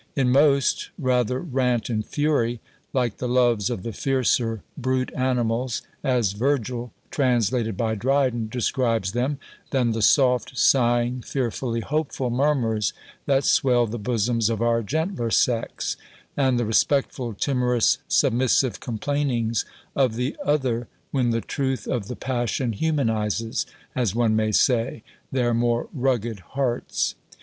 In most, rather rant and fury, like the loves of the fiercer brute animals, as Virgil, translated by Dryden, describes them, than the soft, sighing, fearfully hopeful murmurs, that swell the bosoms of our gentler sex: and the respectful, timorous, submissive complainings of the other, when the truth of the passion humanizes, as one may say, their more rugged hearts.